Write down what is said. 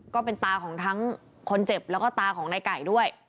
ก็เป็นตาของทั้งคนเจ็บแล้วก็ตาของนายไก่ด้วย